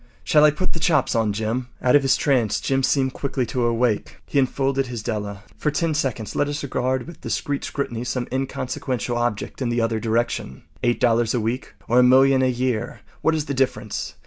Shall I put the chops on, Jim?” Out of his trance Jim seemed quickly to wake. He enfolded his Della. For ten seconds let us regard with discreet scrutiny some inconsequential object in the other direction. Eight dollars a week or a million a year—what is the difference?